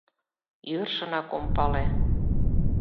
— Йӧршынак ом пале.